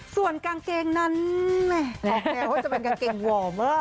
ส่วนกางเกงนั้นตรงแบบวอล์ม